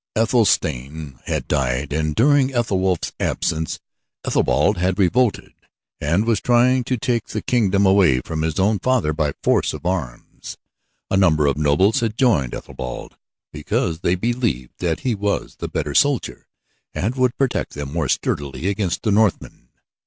Ethelstane had died and, during Ethelwulf's absence, Ethelbald had revolted and was trying to take the kingdom away from his own father by force of arms. A number of nobles had joined Ethelbald because they believed that he was the better soldier and would protect them more sturdily against the Northmen.